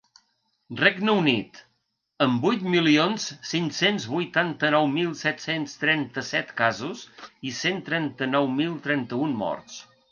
Regne Unit, amb vuit milions cinc-cents vuitanta-nou mil set-cents trenta-set casos i cent trenta-nou mil trenta-un morts.